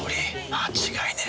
間違いねえ。